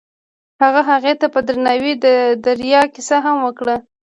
هغه هغې ته په درناوي د دریا کیسه هم وکړه.